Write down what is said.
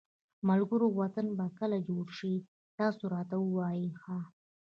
ملګروو وطن به کله جوړ شي تاسو راته ووایی ها